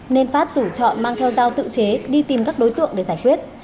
nên phát rủ chọn mang theo dao tự chế đi tìm các đối tượng để giải quyết